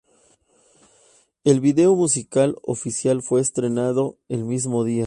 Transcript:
El video musical oficial fue estrenado el mismo día.